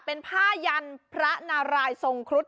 เป็นผ้ายันพระนารายทรงครุฑ